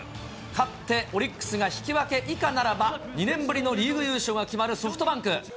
勝ってオリックスが引き分け以下ならば、２年ぶりのリーグ優勝が決まるソフトバンク。